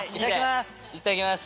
いただきます。